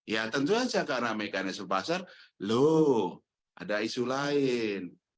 ya tentu saja karena mekanisme pasar lo ada isu lain